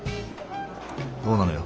どうなのよ？